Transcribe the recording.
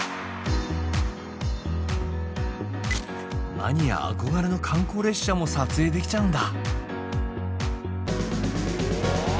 マニア憧れの観光列車も撮影できちゃうんだ。